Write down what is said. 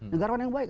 negarawan yang baik